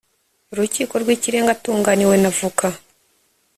Rukiko Rw Ikirenga Atunganiwe Na Avoka